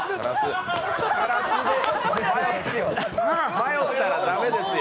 迷ったら駄目ですよ。